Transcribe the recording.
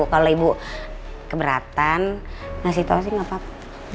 kalau ibu keberatan ngasih tau sih nggak apa apa